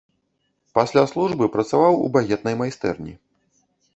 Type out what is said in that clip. Пасля службы працаваў у багетнай майстэрні.